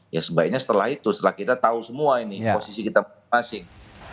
ya sebaiknya setelah itu setelah kita tahu semua ini posisi kita masing masing